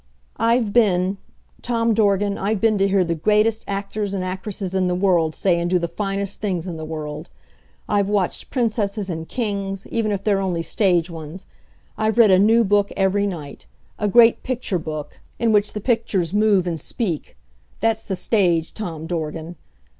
"I've been Tom Dorgan, I've been to hear the greatest actors and actresses in the world say and do the finest things in the world. I've watched princesses and kings even if they're only stage ones. I've read a new book every night a great picture book, in which the pictures move and speak that's the stage, Tom Dorgan.